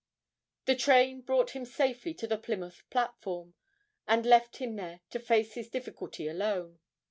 The train brought him safely to the Plymouth platform, and left him there to face his difficulty alone.